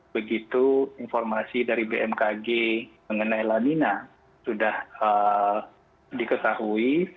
begitu informasi dari bmkg mengenai lanina sudah diketahui